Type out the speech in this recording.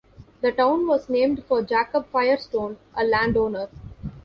The town was named for Jacob Firestone, a landowner.